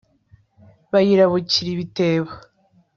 Bayirabukira ibitebo